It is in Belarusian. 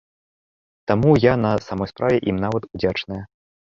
Таму я на самой справе ім нават удзячная.